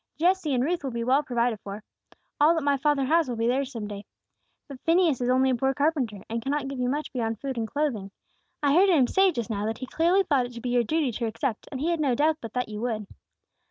Jesse and Ruth will be well provided for. All that my father has will be theirs some day. But Phineas is only a poor carpenter, and cannot give you much beyond food and clothing. I heard him say just now that he clearly thought it to be your duty to accept, and he had no doubt but that you would."